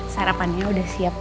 sarapannya udah siap